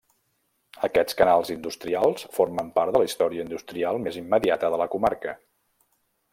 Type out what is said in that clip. Aquests canals industrials formen part de la història industrial més immediata de la comarca.